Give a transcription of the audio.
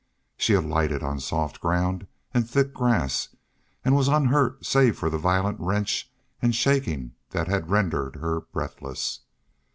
She alighted on soft ground and thick grass, and was unhurt save for the violent wrench and shaking that had rendered her breathless.